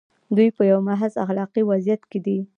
دوی په یوه محض اخلاقي وضعیت کې دي.